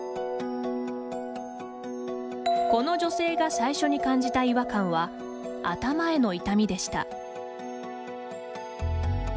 この女性が最初に感じた違和感は頭への痛みでした。